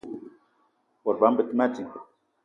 Bot bama be te ma ding.